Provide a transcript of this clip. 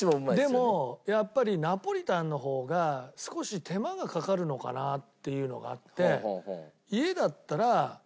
でもやっぱりナポリタンの方が少し手間がかかるのかなっていうのがあって家だったらそんな事ないの？